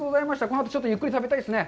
このあと、ちょっとゆっくり食べたいですね。